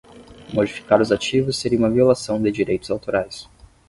Modificar os ativos seria uma violação de direitos autorais.